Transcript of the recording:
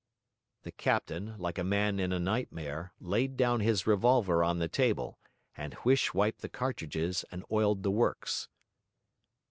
The captain, like a man in a nightmare, laid down his revolver on the table, and Huish wiped the cartridges and oiled the works.